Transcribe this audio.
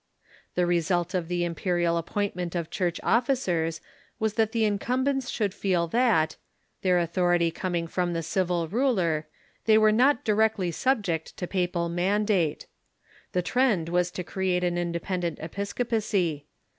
The result of the imperial appointment of Church officers was that the incumbents should feel that, their authority com ing from the civil ruler, they were not directly sub EptwopacT J^*"'^ ^° papal mandate. The trend was to create an independent episcopacy.